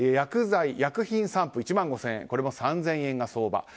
薬品散布、１万５０００円これも３０００円が相場。